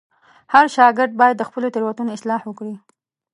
هر شاګرد باید د خپلو تېروتنو اصلاح وکړي.